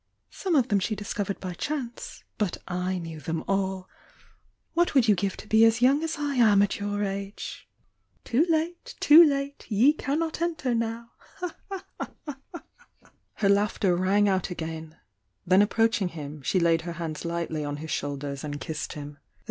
— some of JTm™^^ discovered by chance but / knew them all! What would you give to be as young as I am "*J" *??' 7°V' *^^^' y^ «:a'"^°t enter now! Her laughter rang out again,— then ap proachmg him, sue laid her hands lightly on his shoulders and kissed him.